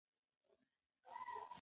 زده کړې نجونې د ټولنې د اصولو پيروي کوي.